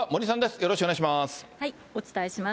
よろしくお願いします。